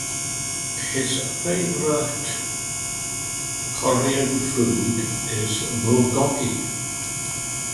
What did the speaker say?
His favorite Korean food is bulgogi.